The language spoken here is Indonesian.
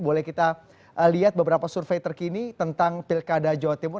boleh kita lihat beberapa survei terkini tentang pilkada jawa timur